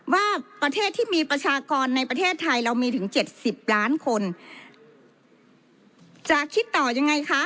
ว่าประเทศที่มีประชากรในประเทศไทยเรามีถึงเจ็ดสิบล้านคนจะคิดต่อยังไงคะ